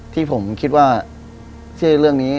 ที่ผมคิดว่าชื่อเรื่องนี้